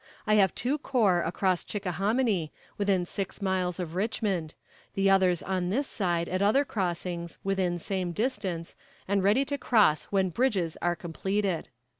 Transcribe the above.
I have two corps across Chickahominy, within six miles of Richmond; the others on this side at other crossings, within same distance, and ready to cross when bridges are completed."